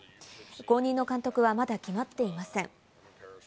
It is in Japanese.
後任の監督はまだ決まっていません。